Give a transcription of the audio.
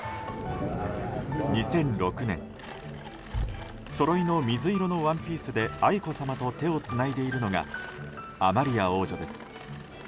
２００６年そろいの水色のワンピースで愛子さまと手をつないでいるのがアマリア王女です。